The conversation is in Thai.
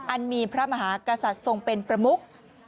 อันมีพระมหากษัตริย์ทรงเป็นประมุก